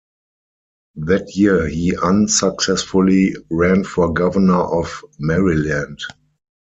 That year he unsuccessfully ran for Governor of Maryland.